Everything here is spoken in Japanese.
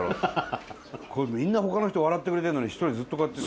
みんな他の人笑ってくれてんのに１人ずっとこうやって。